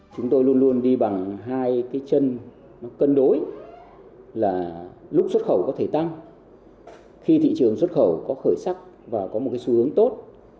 chúng tôi luôn luôn đi bằng hai cái chân cân đối là lúc xuất khẩu có thể tăng khi thị trường xuất khẩu có khởi sắc và có một cái xu hướng tốt